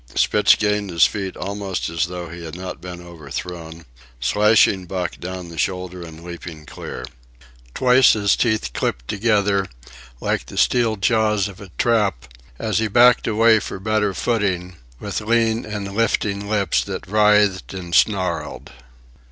Spitz gained his feet almost as though he had not been overthrown, slashing Buck down the shoulder and leaping clear. Twice his teeth clipped together, like the steel jaws of a trap, as he backed away for better footing, with lean and lifting lips that writhed and snarled.